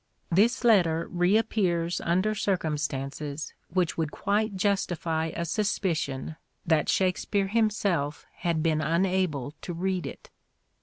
This letter re appears under circumstances which would quite justify a suspicion that Shakspere himself had been unable to read it.